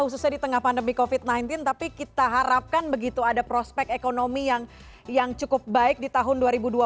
khususnya di tengah pandemi covid sembilan belas tapi kita harapkan begitu ada prospek ekonomi yang cukup baik di tahun dua ribu dua puluh